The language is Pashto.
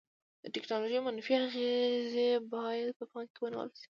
د ټیکنالوژي منفي اغیزې باید په پام کې ونیول شي.